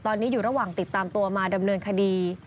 ตอนนี้อยู่ระหว่างติดตามตัวมาดำเนินคดี